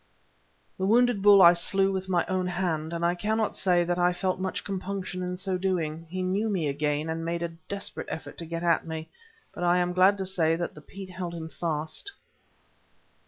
The wounded bull I slew with my own hand, and I cannot say that I felt much compunction in so doing. He knew me again, and made a desperate effort to get at me, but I am glad to say that the peat held him fast.